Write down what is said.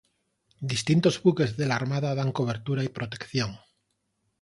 Distintos buques de la Armada dan cobertura y protección.